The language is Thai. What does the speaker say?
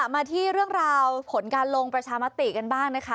มาที่เรื่องราวผลการลงประชามติกันบ้างนะคะ